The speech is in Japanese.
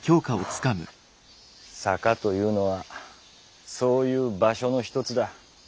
「坂」というのはそういう「場所」の一つだ。